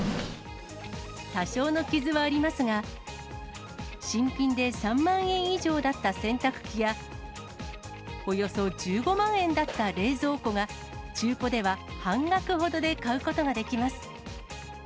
多少の傷はありますが、新品で３万円以上だった洗濯機や、およそ１５万円だった冷蔵庫が、中古では半額ほどで買うことができます。